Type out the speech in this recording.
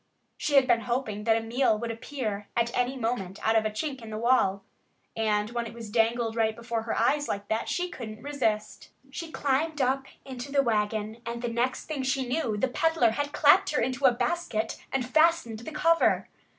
She had been hoping that a meal would appear at any moment out of a chink in the wall. And when it was dangled right before her eyes like that she couldn't resist it. She climbed up into the wagon. And the next thing she knew the peddler had clapped her into a basket and fastened the cover.